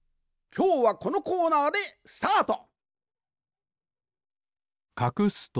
きょうはこのコーナーでスタート！